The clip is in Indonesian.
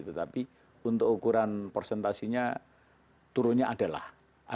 tetapi untuk ukuran persentasinya turunnya adalah ada turunnya